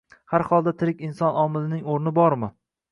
Har holda, tirik inson omilining oʻrni bormi